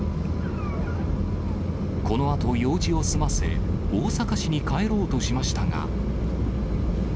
このあと用事を済ませ、大阪市に帰ろうとしましたが。